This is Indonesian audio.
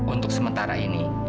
untuk sementara ini